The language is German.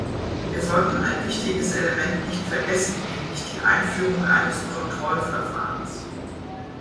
Wir sollten ein wichtiges Element nicht vergessen, nämlich die Einführung eines Kontrollverfahrens.